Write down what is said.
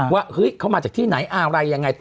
ว่าเฮ้ยเขามาจากที่ไหนอะไรยังไง